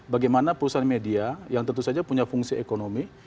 bagaimana perusahaan media yang tentu saja punya fungsi ekonomi